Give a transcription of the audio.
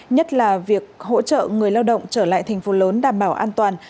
nhất là việc hỗ trợ người lao động trở lại thành phố lớn đảm bảo an toàn